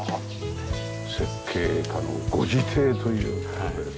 設計家のご自邸という事で。